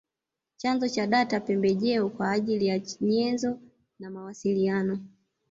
Chanzo cha data pembejeo kwa ajili ya nyenzo na mawasiliano